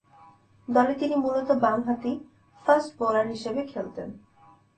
দলে তিনি মূলতঃ বামহাতি ফাস্ট বোলার হিসেবে খেলতেন।